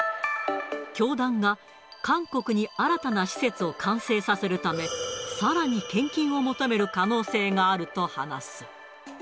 教団が、韓国に新たな施設を完成させるため、さらに献金を求める可能性があると話す。